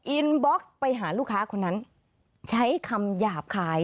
อินบ็อกซ์ไปหาลูกค้าคนนั้นใช้คำหยาบคาย